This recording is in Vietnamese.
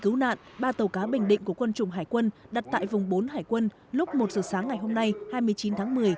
cứu nạn ba tàu cá bình định của quân chủng hải quân đặt tại vùng bốn hải quân lúc một giờ sáng ngày hôm nay hai mươi chín tháng một mươi